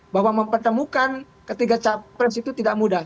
bahwa mempertemukan ketiga capres itu tidak mudah